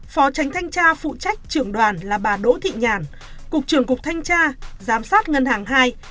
phó tránh thanh tra phụ trách trưởng đoàn là bà đỗ thị nhàn cục trưởng cục thanh tra giám sát ngân hàng hai